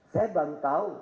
saya baru tahu